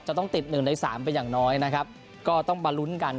จะต้องติด๑ใน๓ไปอย่างน้อยนะครับก็ต้องณู้นกัน